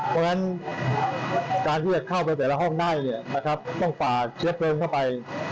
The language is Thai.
เพราะฉะนั้นการที่จะเข้าไปแต่ละห้องได้ต้องฝ่าเชื้อเพลิงเข้าไป